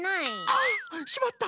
あっしまった！